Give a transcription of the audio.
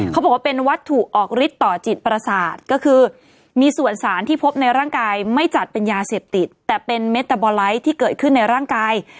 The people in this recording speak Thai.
เขาบอกว่าเป็นวัตถุออกฤทธิ์ต่อจิตประสาทก็คือมีส่วนสารที่พบในร่างกายไม่จัดเป็นยาเสพติดแต่เป็นเม็ดตะบอไลท์ที่เกิดขึ้นในร่างกาย